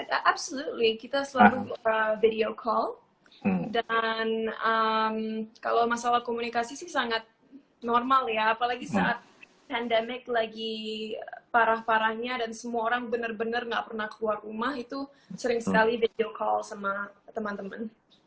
absolutely kita selalu video call dan kalau masalah komunikasi sangat normal ya apalagi saat pandemic lagi parah parahnya dan semua orang benar benar gak pernah keluar rumah itu sering sekali video call sama teman teman